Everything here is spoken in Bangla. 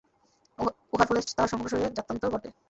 উহার ফলে তাহার সমগ্র শরীরের জাত্যন্তর ঘটে।